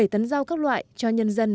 bảy tấn rau các loại cho nhân dân